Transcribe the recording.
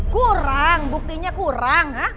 kurang buktinya kurang